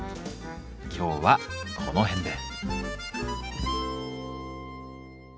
今日はこの辺で。